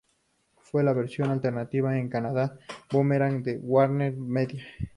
Fue la versión alternativa en Canadá de Boomerang de WarnerMedia.